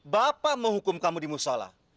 bapak menghukum kamu di musola